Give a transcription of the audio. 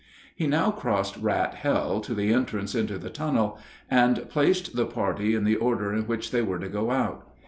He now crossed Rat Hell to the entrance into the tunnel, and placed the party in the order in which they were to go out.